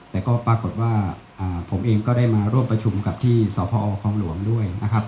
แต่ก็ปรากฏว่าผมเองก็ได้มาร่วมประชุมกับที่สพคลองหลวงด้วยนะครับ